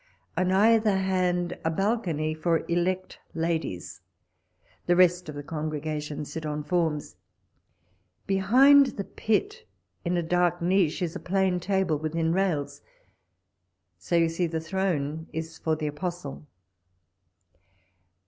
On either hand, a balcony for elect ladies. The rest of the congre gation sit on forms. Behind the pit, in a dark niche, is a plain table within rails ; so you see the throne is for the apostle.